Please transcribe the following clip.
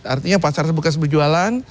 artinya pasar buka seberjualan